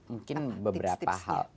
mungkin beberapa hal